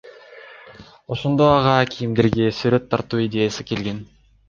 Ошондо ага кийимдерге сүрөт тартуу идеясы келген.